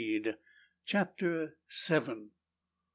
CHAPTER SEVEN.